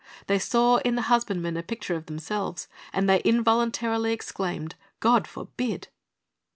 They saw in the husbandmen a picture of themselves, and they involuntarily exclaimed, "God forbid!"